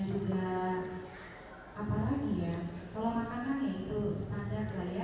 saudara saksi ya saya panggil saksi saja ya